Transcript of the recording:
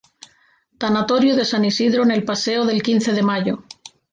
Tanatorio de San Isidro en el Paseo del Quince de Mayo.